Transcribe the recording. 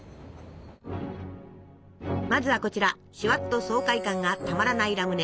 まずはこちらシュワッと爽快感がたまらないラムネ。